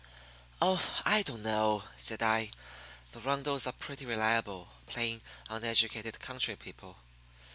"Oh, I don't know," said I. "The Rundles are pretty reliable, plain, uneducated country people.